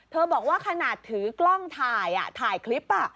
บอกว่าขนาดถือกล้องถ่ายถ่ายคลิป